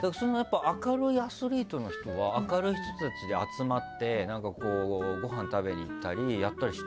明るいアスリートの人は明るい人たちで集まってなんかこうごはん食べに行ったりやったりしてるんですかね？